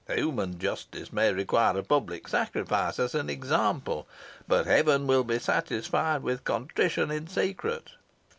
Human justice may require a public sacrifice as an example, but Heaven, will be satisfied with contrition in secret."